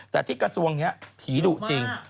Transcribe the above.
แต่ที่กระทรวงนี้ผีดุจริง